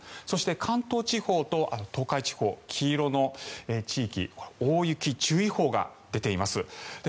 そして関東地方と東海地方、黄色の地域は大雪注意報が出ています。